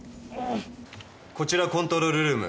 こちらコントロールルーム。